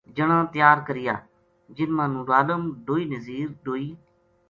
جنا تیار کریا جن ما نورعالم ڈوئی نزیر ڈوئی